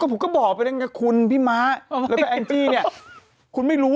ก็ผมก็บอกไปแล้วกับคุณพี่ม้าแล้วแฟนกี้เนี้ยคุณไม่รู้หรอก